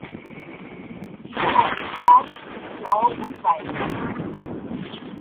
Die Vereinsfarben sind Blau und Weiß.